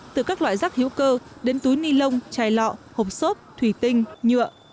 từ các loại rác hữu cơ đến túi ni lông chai lọ hộp xốp thủy tinh nhựa